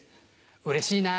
うれしいな。